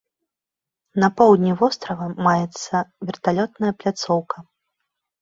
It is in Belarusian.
На поўдні вострава маецца верталётная пляцоўка.